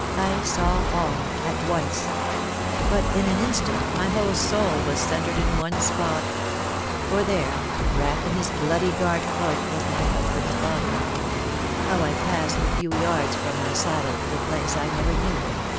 I saw all at once; but in an instant my whole soul was centred in one spot; for there, wrapped in his bloody guard cloak, was my husband's body! How I passed the few yards from my saddle to the place I never knew.